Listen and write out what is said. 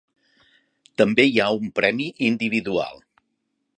També hi ha un premi individual.